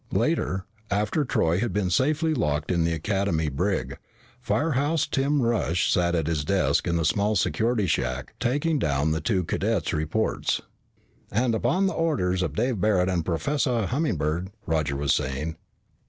Later, after Troy had been safely locked in the Academy brig, Firehouse Tim Rush sat at his desk in the small security shack taking down the two cadets' reports. "... And upon the orders of Dave Barret and Professor Hummingbird " Roger was saying.